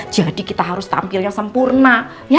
jadi kita harus tampil yang sempurna